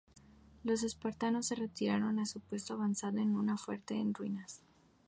Los espartanos se retiraron a su puesto avanzado, en un fuerte en ruinas.